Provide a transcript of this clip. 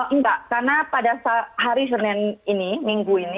enggak karena pada hari senin ini minggu ini